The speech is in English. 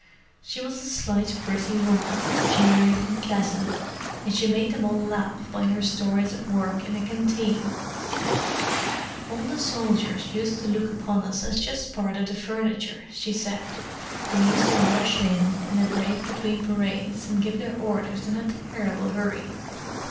She was a slight, pretty woman, cheery and pleasant, and she made them all laugh by her stories of work in a canteen. "All the soldiers used to look upon us as just part of the furniture," she said. "They used to rush in, in a break between parades, and give their orders in a terrible hurry.